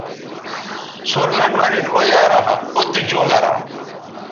سور لنڈ مہ نِن او یارااو تُو چوں گرا